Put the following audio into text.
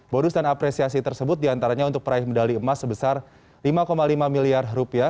bonus dan apresiasi tersebut diantaranya untuk peraih medali emas sebesar lima lima miliar rupiah